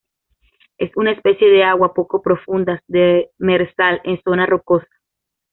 Es una especie de agua poco profundas, demersal en zona rocosa.